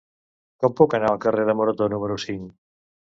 Com puc anar al carrer de Morató número cinc?